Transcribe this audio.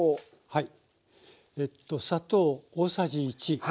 はい。